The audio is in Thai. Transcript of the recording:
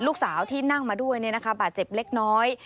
ลูกสาวที่นั่งมาด้วยบาดเจ็บเล็กน้อย